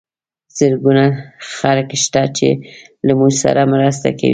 زرګونه خلک شته چې له موږ سره مرسته کوي.